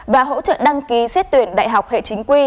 và hỗ trợ đăng ký xét tuyển đại học hệ chính quy